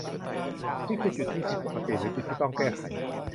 นั่นคือจุดที่ผิดปกติ หรือ จุดที่ต้องแก้ไข